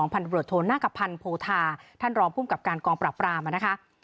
พันธุรกิจโทนาคพันธ์โพธาท่านรองภูมิกับการกองปราบรามนะคะ